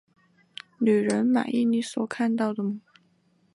女人，满意你所看到的吗？